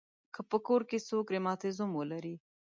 که په کور کې څوک رماتیزم ولري.